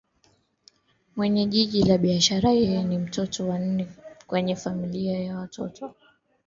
kwenye jiji la biashara Yeye ni mtoto wa nne kwenye familia ya watoto